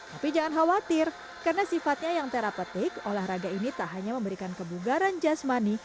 tapi jangan khawatir karena sifatnya yang terapetik olahraga ini tak hanya memberikan kebugaran jasmani